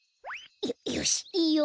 よよしいいよ。